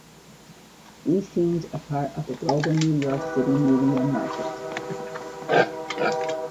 These teams are part of the global New York City media market.